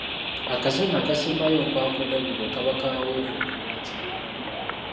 Akasana akasembayo okwaka olw’eggulo kaba kaweeweevu bulungi.